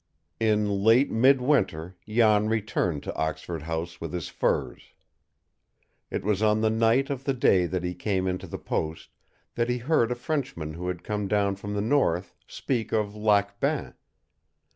In late mid winter Jan returned to Oxford House with his furs. It was on the night of the day that he came into the post that he heard a Frenchman who had come down from the north speak of Lac Bain.